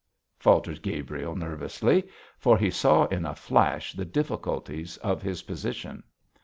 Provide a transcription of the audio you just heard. faltered Gabriel, nervously, for he saw in a flash the difficulties of his position.